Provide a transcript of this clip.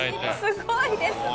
すごいですね。